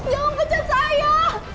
jangan pecat saya